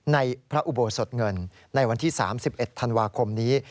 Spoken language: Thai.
ในพระอุโบสถเงินในวันที่๓๑ธันวาคมนี้